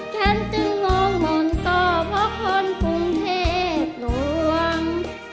ฉันจึงงงมนต์ต่อเพราะคนกรุงเทพหลวง